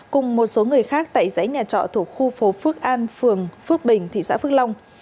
cùng một số người khác tại dãy nhà trọ thuộc khu phố phước an phường phước bình thị xã phước long